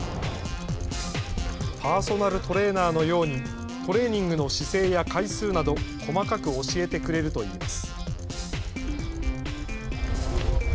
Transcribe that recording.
パーソナルトレーナーのようにトレーニングの姿勢や回数など細かく教えてくれるといいます。